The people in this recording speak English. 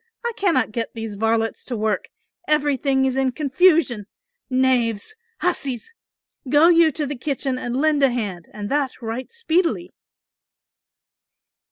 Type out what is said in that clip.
I cannot get those varlets to work, everything is in confusion, knaves! hussies! go you to the kitchen and lend a hand and that right speedily."